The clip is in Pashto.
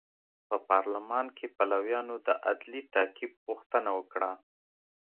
په پارلمان کې پلویانو د عدلي تعقیب غوښتنه وکړه.